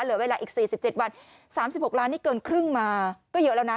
เหลือเวลาอีก๔๗วัน๓๖ล้านนี่เกินครึ่งมาก็เยอะแล้วนะ